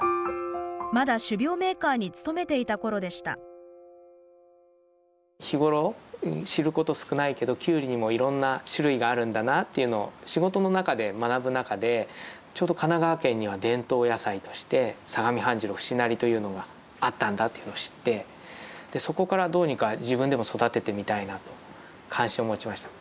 まだ種苗メーカーに勤めていた頃でした日頃知ること少ないけどというのを仕事の中で学ぶ中でちょうど神奈川県には伝統野菜として相模半白節成というのがあったんだというのを知ってそこからどうにか自分でも育ててみたいなと関心を持ちました。